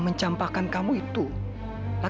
kalah cerita sama dessa